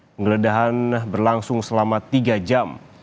penggeledahan berlangsung selama tiga jam